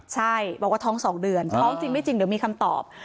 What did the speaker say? ใช่บอกว่าท้อง๒เดือนท้องจริงไม่จริงเดี๋ยวมีคำตอบ